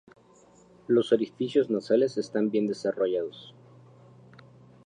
Los orificios nasales están bien desarrollados.